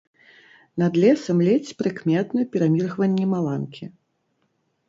Над лесам ледзь прыкметны пераміргванні маланкі.